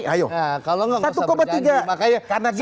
nah kalau nggak bisa berjanji